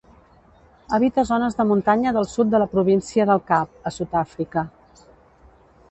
Habita zones de muntanya del sud de la Província del Cap, a Sud-àfrica.